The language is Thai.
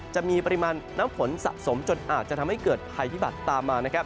จะมีปริมาณน้ำฝนสะสมจนอาจจะทำให้เกิดภัยพิบัตรตามมานะครับ